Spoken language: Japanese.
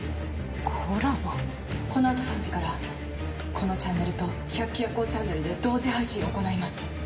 この後３時からこのチャンネルと『百鬼夜行ちゃんねる』で同時配信を行います。